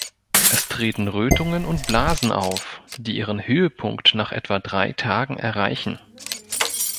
Es treten Rötungen und Blasen auf, die ihren Höhepunkt nach etwa drei Tagen erreichen.